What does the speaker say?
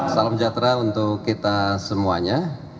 salam sejahtera untuk kita semuanya